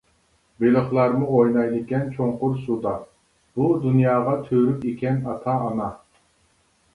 بېلىقلارمۇ ئوينايدىكەن چوڭقۇر سۇدا، بۇ دۇنياغا تۈۋرۈك ئىكەن ئاتا-ئانا.